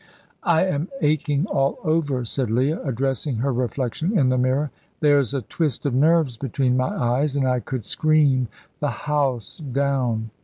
"I am aching all over," said Leah, addressing her reflection in the mirror; "there's a twist of nerves between my eyes, and I could scream the house down.